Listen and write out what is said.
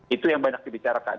itu yang banyak dibicarakan